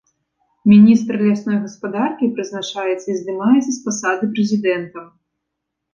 Міністр лясной гаспадаркі прызначаецца і здымаецца з пасады прэзідэнтам.